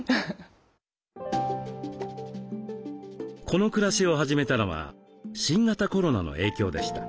この暮らしを始めたのは新型コロナの影響でした。